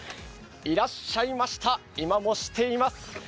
いらっしゃいました、今もしています。